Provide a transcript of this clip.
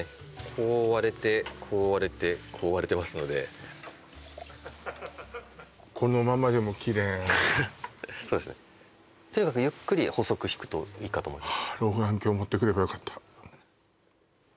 こう割れてこう割れてこう割れてますのでこのままでもきれいそうですねとにかくゆっくり細く引くといいかと思います